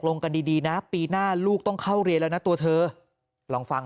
ลงกันดีดีนะปีหน้าลูกต้องเข้าเรียนแล้วนะตัวเธอลองฟัง